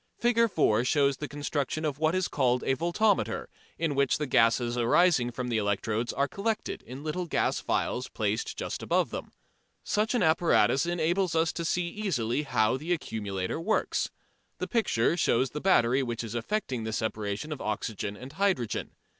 Fig. 4 shows the construction of what is called a voltameter, in which the gases arising from the electrodes are collected in little glass vessels placed just above them. Such an apparatus enables us to see easily how the accumulator works. The picture shows the battery which is effecting the separation of the oxygen and hydrogen.